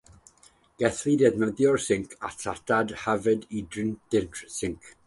Gellir defnyddio sinc asetad hefyd i drin diffyg sinc